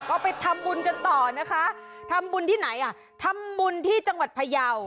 ก็ไปทำบุญกันต่อนะคะทำบุญที่ไหนอ่ะทำบุญที่จังหวัดพยาว